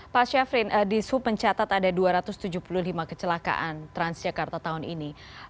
pak syafrin di sub mencatat ada dua ratus tujuh puluh lima kecelakaan transjakarta tahun ini